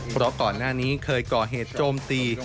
เพราะก่อนหน้านี้เคยก่อเหตุโจมตี